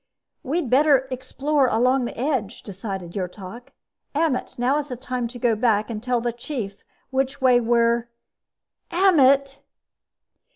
"We'd better explore along the edge," decided Yrtok. "Ammet, now is the time to go back and tell the Chief which way we're _Ammet!